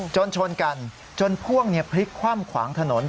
ชนกันจนพ่วงพลิกคว่ำขวางถนน